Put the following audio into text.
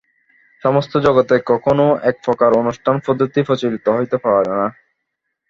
সমস্ত জগতে কখনও এক প্রকার অনুষ্ঠান পদ্ধতি প্রচলিত হইতে পারে না।